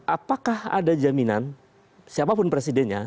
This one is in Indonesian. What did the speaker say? apakah ada jaminan siapapun presidennya